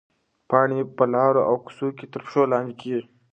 پاڼې په لارو او کوڅو کې تر پښو لاندې کېږي.